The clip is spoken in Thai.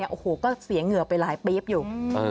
โอ้โหก็เสียเหงื่อไปหลายปี๊บอยู่